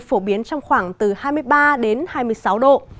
phổ biến trong khoảng từ hai mươi ba đến hai mươi sáu độ